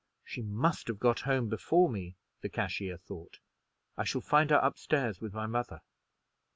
"She must have got home before me," the cashier thought; "I shall find her up stairs with my mother."